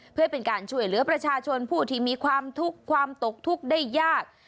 เพื่อเป็นการช่วยเหลือประชาชนผู้ที่มีความทุกข์ความตกทุกข์ได้ยาก